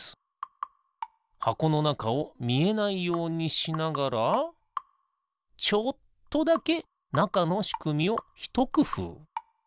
はこのなかをみえないようにしながらちょっとだけなかのしくみをひとくふう。